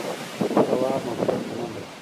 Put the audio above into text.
تواب مکتب ته منډه کړه.